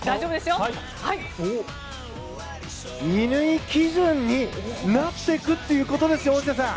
乾基準になっていくっていうことですよ、大下さん！